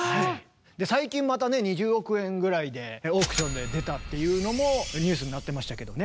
最近またね２０億円ぐらいでオークションで出たっていうのもニュースになってましたけどね。